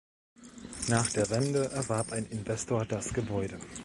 Nach der Wende erwarb ein Investor das Gebäude.